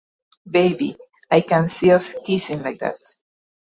Baby I can see us kissing like that.